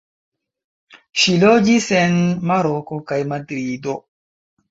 Ŝi loĝis en Maroko kaj Madrido.